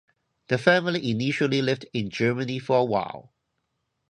The family initially lived in Germany for a while.